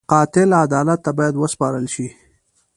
قاتل عدالت ته باید وسپارل شي